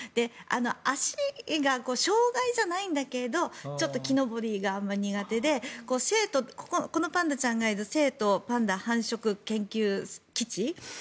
足が障害じゃないんだけど木登りが苦手でこのパンダちゃんがいる成都ジャイアントパンダ繁殖研究基地